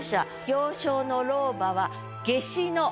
「行商の老婆は夏至の」